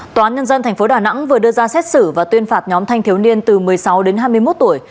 tòa án nhân dân tp đà nẵng vừa đưa ra xét xử và tuyên phạt nhóm thanh thiếu niên từ một mươi sáu đến hai mươi một tuổi